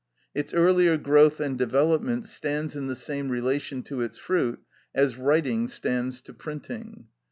Its earlier growth and development stands in the same relation to its fruit as writing stands to printing.